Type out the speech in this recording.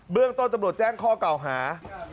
เบื้องต้นจับโหลดแจ้งข้อเก่าหา